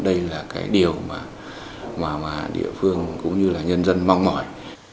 đây là cái điều mà địa phương cũng như là nhân dân mong mỏi